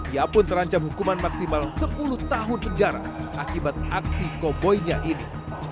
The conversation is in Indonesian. ia pun terancam hukuman maksimal sepuluh tahun penjara akibat aksi koboinya ini